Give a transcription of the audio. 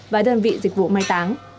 và đơn vị dịch vụ may táng